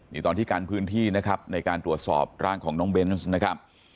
นี่ตอนที่กันพื้นที่นะครับในการตรวจสอบร่างของน้องเบนส์นะครับ